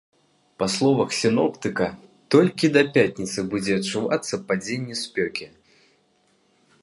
Па словах сіноптыка, толькі да пятніцы будзе адчувацца падзенне спёкі.